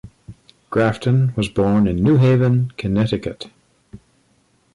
Grafton was born in New Haven, Connecticut.